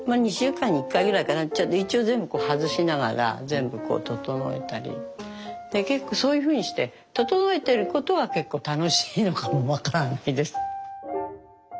一応全部外しながら全部こう整えたりで結構そういうふうにして整えてることが結構楽しいのかもわからないです。